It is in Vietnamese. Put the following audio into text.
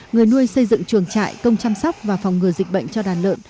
người nuôi xây dựng chuồng trại công chăm sóc và phòng ngừa dịch bệnh cho đàn lợn